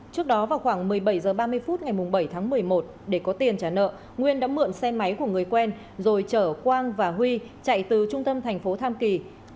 trước đó vào khoảng một mươi bảy h ba mươi phút ngày bảy tháng một mươi một để có tiền trả nợ nguyên đã mượn xe máy của người quen rồi chở quang và huy chạy từ trung tâm thành phố tam kỳ